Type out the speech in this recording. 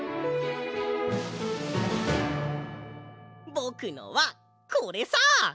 ぼくのはこれさ！